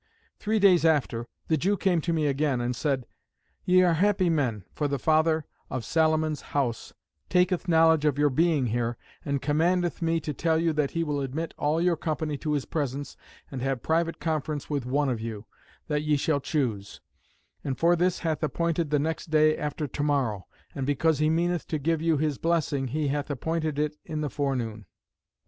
Three days after the Jew came to me again, and said; "Ye are happy men; for the Father of Salomon's House taketh knowledge of your being here, and commanded me to tell you that he will admit all your company to his presence, and have private conference with one of you, that ye shall choose: and for this hath appointed the next day after to morrow. And because he meaneth to give you his blessing, he hath appointed it in the forenoon."